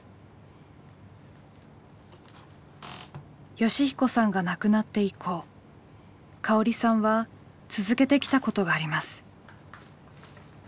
善彦さんが亡くなって以降かおりさんは続けてきたことがあります。